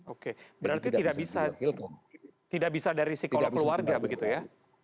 oke berarti tidak bisa dari psikolog keluarga begitu ya